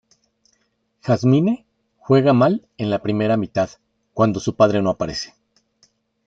Jasmine juega mal en la primera mitad, cuando su padre no aparece.